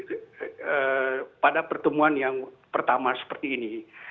tapi pada pertemuan yang pertama seperti ini